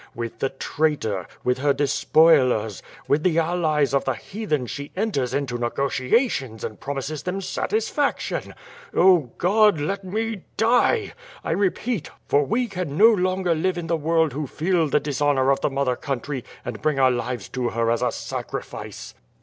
With the traitor, with her despoilers, with the allies of the Heathen she enters into negotiations and promises them satisfaction. 0 God, let me die, I repeat, for we can no longer live in the worid who feel the dishonor of the mother country and bring our lives to her as a sacrifice."